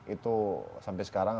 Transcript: itu sampai sekarang